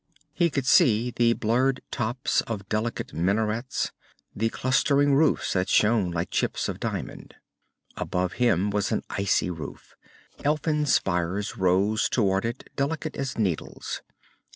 He could see the blurred tops of delicate minarets, the clustering roofs that shone like chips of diamond. Above him was an ice roof. Elfin spires rose toward it, delicate as needles.